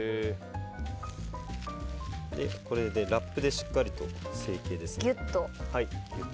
これでラップでしっかりと成形して。